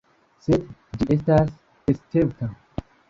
Sed ĝi estas escepta.